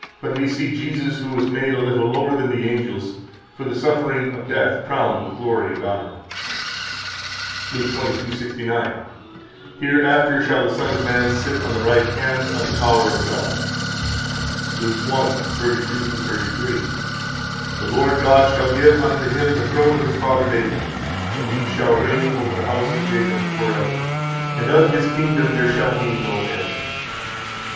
But we see Jesus, who was made a little lower than the angels, for the suffering of death crowned with glory and honor. 38 Luke 22:69: Hereafter shall the Son of Man sit on the right hand of the power of God. 39 Luke 1:32 33: The Lord God shall give unto Him the throne of His father David; and He shall reign over the house of Jacob forever, and of His kingdom there shall be no end.